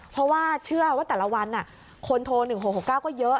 เพราะว่าเชื่อว่าแต่ละวันคนโทร๑๖๖๙ก็เยอะ